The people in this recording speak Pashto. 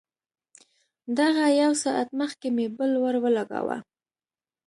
دغه يو ساعت مخکې مې بل ورولګاوه.